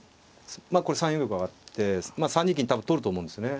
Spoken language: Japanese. まあこれ３四玉上がって３二金多分取ると思うんですね。